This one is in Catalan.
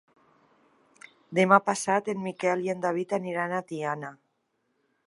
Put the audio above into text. Demà passat en Miquel i en David aniran a Tiana.